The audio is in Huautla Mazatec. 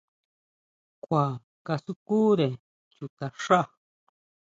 Kjua kasukúre chuta xá.